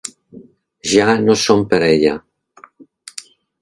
Ja no som parella.